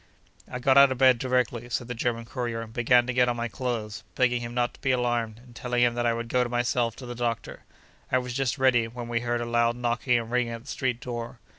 I got out of bed directly (said the German courier) and began to get on my clothes, begging him not to be alarmed, and telling him that I would go myself to the doctor. I was just ready, when we heard a loud knocking and ringing at the street door.